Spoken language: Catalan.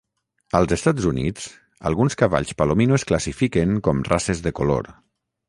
Als Estats Units, alguns cavalls palomino es classifiquen com races de color.